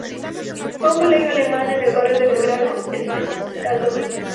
Fue a un colegio alemán en el barrio de Belgrano, el Pestalozzi.